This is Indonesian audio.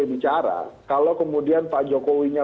bicara kalau kemudian pak jokowinya